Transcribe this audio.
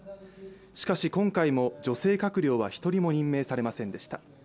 しかし今回も女性閣僚は一人も任命されませんでした。